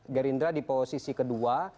garindra di posisi kedua